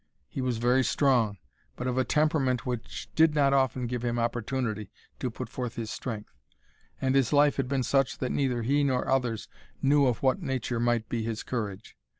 He was very strong, but of a temperament which did not often give him opportunity to put forth his strength; and his life had been such that neither he nor others knew of what nature might be his courage.